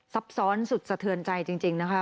ซับซ้อนสุดสะเทือนใจจริงนะคะ